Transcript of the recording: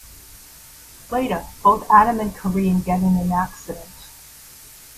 Later, both Adam and Kareem get in an accident.